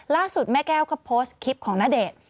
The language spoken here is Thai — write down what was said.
แม่แก้วก็โพสต์คลิปของณเดชน์